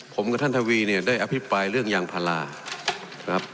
ผมกับท่านทวีเนี่ยได้อภิปรายเรื่องยางพารานะครับ